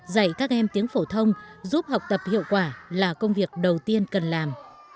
dạy các em tiếng phổ thông giúp học tập hiệu quả là công việc đầu tiên cần làm